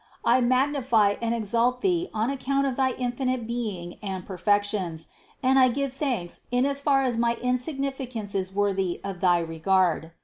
I magnify and exalt Thee on account of thy infinite Being and perfections, and I give thanks in as far as my insignificance is worthy of thy regard.